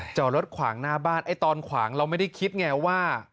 จอดรถขวางหน้าบ้านไอ้ตอนขวางเราไม่ได้คิดไงว่า